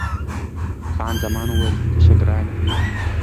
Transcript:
خان زمان وویل، بیده شه ګرانه.